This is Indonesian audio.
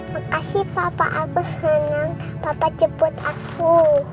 makasih papa aku senang papa jemput aku